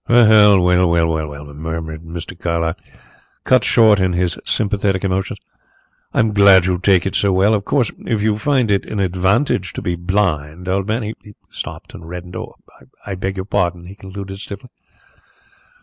"Well, well," murmured Mr. Carlyle, cut short in his sympathetic emotions. "I'm glad you take it so well. Of course, if you find it an advantage to be blind, old man " He stopped and reddened. "I beg your pardon," he concluded stiffly.